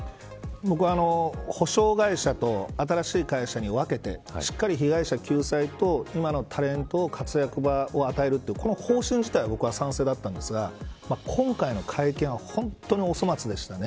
僕は、補償会社と新しい会社に分けてしっかり被害者救済と今のタレントに活躍の場を与えるこの方針自体は賛成だったんですが今回の会見は本当にお粗末でしたね。